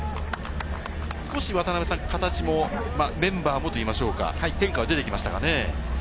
少し形も、メンバーもといいましょうか、変化が出てきましたかね？